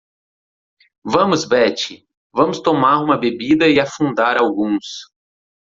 Vamos Betty? vamos tomar uma bebida e afundar alguns.